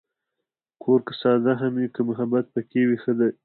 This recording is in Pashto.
کور که ساده هم وي، که محبت پکې وي، ښه دی.